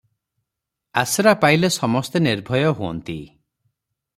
ଆଶ୍ରା ପାଇଲେ ସମସ୍ତେ ନିର୍ଭୟ ହୁଅନ୍ତି ।